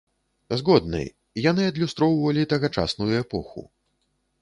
Згодны, яны адлюстроўвалі тагачасную эпоху.